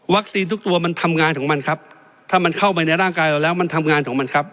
ทุกตัวมันทำงานของมันครับถ้ามันเข้าไปในร่างกายเราแล้วมันทำงานของมันครับ